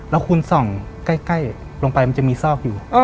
แล้วคุณส่องใกล้ลงไปมันจะมีซอกอยู่